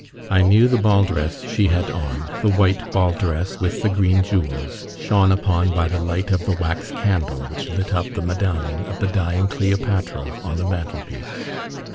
I knew the ball dress she had on the white ball dress, with the green jewels, shone upon by the light of the wax candle which lit up the medallion of the dying Cleopatra on the mantelpiece.